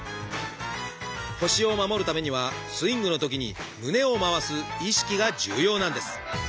腰を守るためにはスイングのときに胸を回す意識が重要なんです！